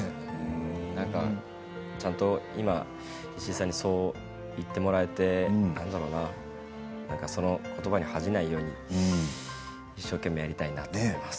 なんかちゃんと今、石井さんにそう言ってもらえて何だろうなそのことばに恥じないように一生懸命やりたいなって思います。